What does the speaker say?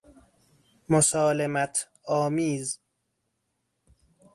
مسالمت آمیز